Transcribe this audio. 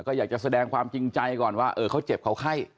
ก็อยากจะแสดงความจริงใจก่อนว่าเขาเจ็บเขาไข้